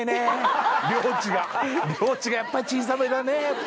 領地がやっぱり小さめだね。